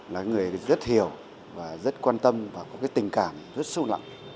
là người rất hiểu và rất quan tâm và có tình cảm rất sâu lặng